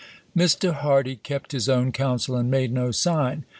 V Mr. Hardy kept his own counsel and made no sign.